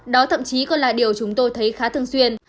đó thậm chí còn là điều chúng tôi thấy khá thường xuyên